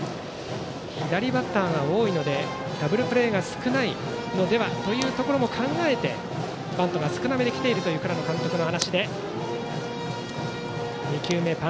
左バッターが多いのでダブルプレーが少ないのではとも考えてバントを少なめにきているという倉野監督の話でした。